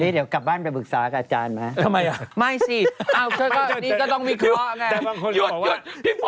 เดี๋ยวกลับบ้านไปปรึกษากับอาจารย์ไหม